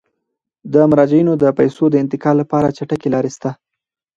د مراجعینو د پيسو د انتقال لپاره چټکې لارې شته.